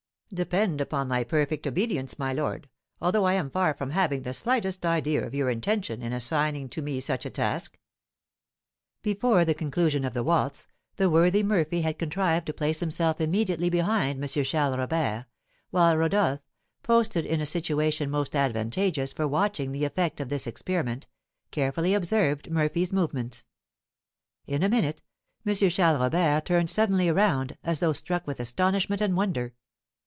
"Depend upon my perfect obedience, my lord, although I am far from having the slightest idea of your intention in assigning to me such a task." Before the conclusion of the waltz, the worthy Murphy had contrived to place himself immediately behind M. Charles Robert, while Rodolph, posted in a situation most advantageous for watching the effect of this experiment, carefully observed Murphy's movements. In a minute, M. Charles Robert turned suddenly around, as though struck with astonishment and wonder.